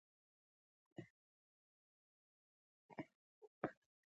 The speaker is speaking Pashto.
د ونو کینول صدقه جاریه ده